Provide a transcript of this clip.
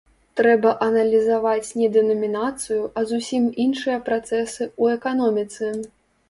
Трэба аналізаваць не дэнамінацыю, а зусім іншыя працэсы ў эканоміцы.